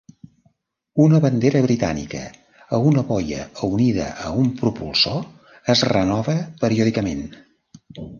Una bandera britànica a una boia unida a un propulsor es renova periòdicament.